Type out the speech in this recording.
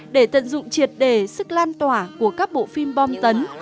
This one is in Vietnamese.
để tận dụng triệt đề sức lan tỏa của các bộ phim bom tấn